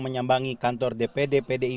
menyambangi kantor dpd pdi